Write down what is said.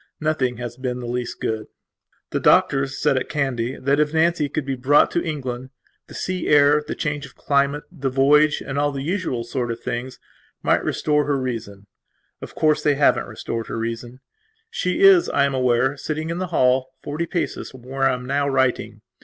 Nothing has been the least good. The doctors said, at Kandy, that if Nancy could be brought to England, the sea air, the change of climate, the voyage, and all the usual sort of things, might restore her reason. Of course, they haven't restored her reason. She is, I am aware, sitting in the hall, forty paces from where I am now writing.